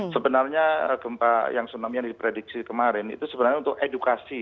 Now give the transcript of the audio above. sebenarnya gempa yang tsunami yang diprediksi kemarin itu sebenarnya untuk edukasi